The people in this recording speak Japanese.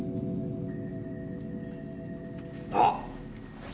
あっ！